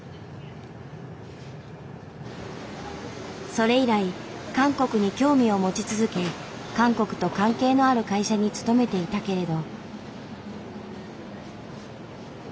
それ以来韓国に興味を持ち続け韓国と関係のある会社に勤めていたけれど。